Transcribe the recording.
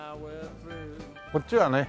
こっちはね